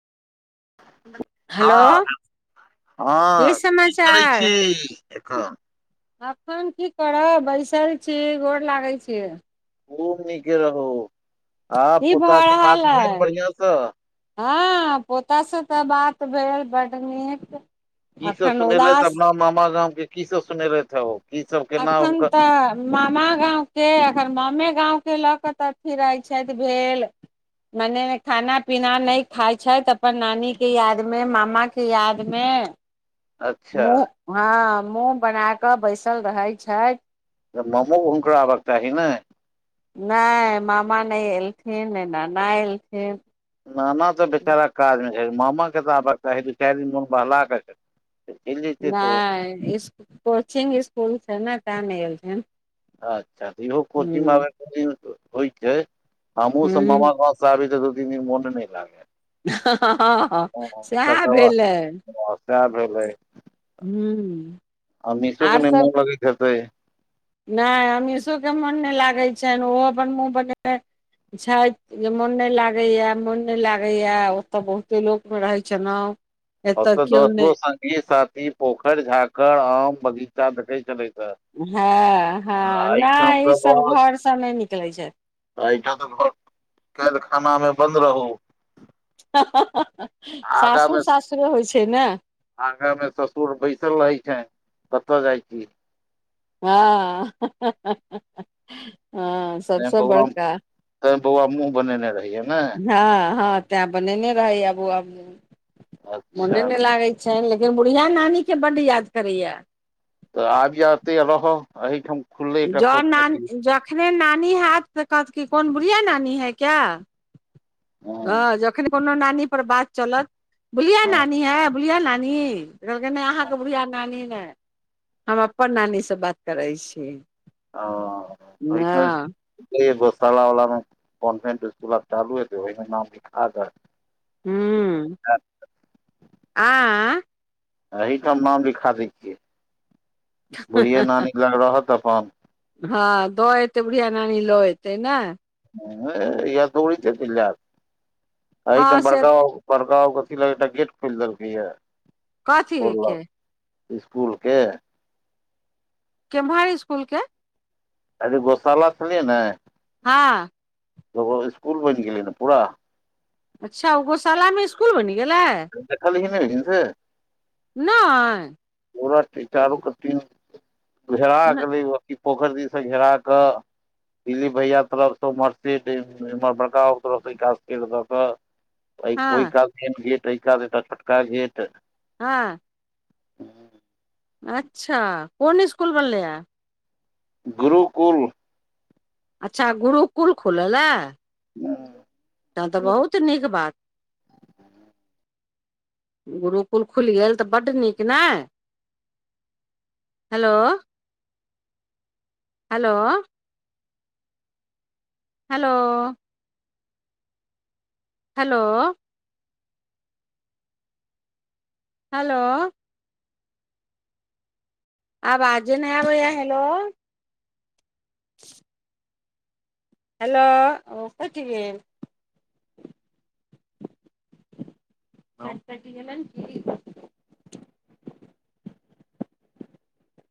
hello हाँ हाँ की करै छीयै एखन अखन की करब बैसल छी गोर लागै छी खूब नीके रहू आ की पोता से बात भेल बढ़ियाॅं स हाँ पोता स तऽ बात भेल बड्ड नीक की सब अखन सुनेलथि उदास अपना मामा गाम के की सब सुनेलथि हे ओ की सब केना अखन हुनकर तऽ मामा गाँवके एखन ममे गाँवके लऽ कऽ तऽ अथि रहै छथि भेल मने खाना पीना नहि खाय छथि अपन नानी के याद मे मामा के याद मे अच्छा मुँह हाँ मुँह बना कऽ बैसल रहैत छथि त मामोआबके चाही ने नहि मामा नहि एलखिन नहि नाना एलखिन नाना तऽ बेचारा काज मे छै मामा के तऽ आब के चाही दू चार दिन मोन बहला क नहि इस कोचिंग स्कुल छै ने तै नै एलखिन अच्छा तऽ इहो कोचिंग आबे को होइ छै हमहु सब मामा हूं गांउ आबै तऽ दू तीन दिन मन नहि लागै हाँ सएह तकर बाद भेलय सएह भेलै हूं आमीशो के आर ने सब मोन लगैत हेतै नहि अमीषोके मोन नहि लागै छनि ओहो अपन मुँह बनेने छथि जे मोन नहि लागैए मोन नहि लागैए ओतय बहुते लोकमे रहैत छलउ ओतऽ दोस्तो संगी साथी पोखर झाखर आम बगीचा देखे चलै ते हाँ हाँ नहि ई तऽ सब बस घरसे नहि निकलैत छथि एहिठाम तऽ घर कैदखानामे बन्द रहू आगा सासुर मे सासुरे होइ छै ने आगा में ससुर बैसल रहै छ कतऽ जाइ छी हाँ हाँ बौआ तें बौआ मुँह बनेने रहियै ने हाँ हाँ तें बनेने रहैय आब मोने अच्छा नहि लागै लेकिन बुढ़िया नानी के बड्ड याद करैया तऽ आबि एते रहब एहिठाम खुलले एकटा जँ कोचिंग अथी नानी जखने नानी हैत तऽ कहत कि कोन बुढ़िया नानी है क्या हँ हाँ जखन कोनो नानी पर बात चलत बुढ़िया हँ नानी है बुढ़िया नानी कहलकै नहि अहाँके बुढ़िया नानी नहि हम अपन नानीसे बात करै छी ओ ओइठो हँ घोसाला वलामे कॉन्भेंट स्कूल चालू हेतै ओहिमे नाम लिखा दे हूँ म आयं अहिठाम नाम लिखा दै छियै बुढ़िया नानी लग रहत अपन हाँ दऽ एतै बुढ़िया नानी लऽ एतै ने हाँ इए त उड़िकति ल हँ आइटम पड़क से बड़का कथी ल एकटा गेट खोल देलकै य कथी बोललक के स्कुल के केमहर स्कुल के गोशाला छलियै ने हँ स्कुल बनि गेलै ने पूरा अच्छा ओ गोशालामे स्कुल बनि गेलै देखलखिन नहि से नहि चारू कटी घेरा न- के पोखरि दिस घेरा कऽ दिलीफ भैया तरफ से उमहर से महर बड़का तरफ से इिकास कर द के ओहि हँ कात मेन गेट ओहि कात छोटका गेट हँ अच्छा कोन स्कुल बनलैए गुरुकुल अच्छा गुरुकुल खुलल हे हू त तऽ बहुत नीक बात गुरुकुल खुल गेल तऽ बड्ड नीक ने hello hello hello hello hello आबाजे नहि आबै य हेलो हेलो कैट गेल आ कटि गेलन की